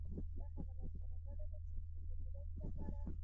دا هغه لاسته راوړنه ده، چې زموږ د ټولنې لپاره